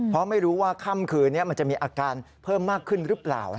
เพราะไม่รู้ว่าค่ำคืนนี้มันจะมีอาการเพิ่มมากขึ้นหรือเปล่า